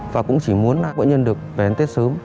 và cũng chỉ muốn bệnh nhân được về ăn tết sớm